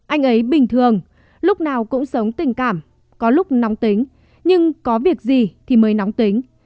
anh ấy bình thường lúc nào cũng sống tình cảm có lúc nóng tính nhưng có việc gì thì mới nóng tính